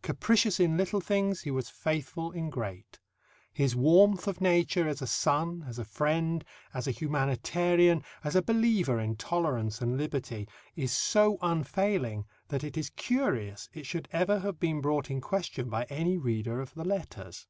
Capricious in little things, he was faithful in great. His warmth of nature as a son, as a friend, as a humanitarian, as a believer in tolerance and liberty, is so unfailing that it is curious it should ever have been brought in question by any reader of the letters.